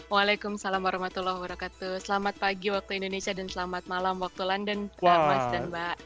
waalaikumsalam warahmatullahi wabarakatuh selamat pagi waktu indonesia dan selamat malam waktu london mas dan mbak